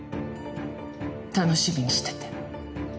楽しみにしてて。